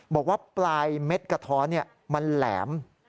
บอกว่าปลายเม็ดกระท้อนมันแหลม